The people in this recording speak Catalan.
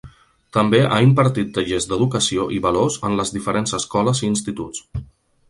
També ha impartit tallers d’educació i valors en les diferents escoles i instituts.